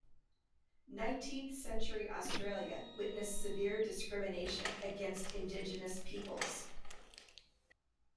Nineteenth-century Australia witnessed severe discrimination against indigenous peoples.